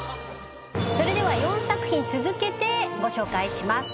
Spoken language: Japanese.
では４作品続けてご紹介します。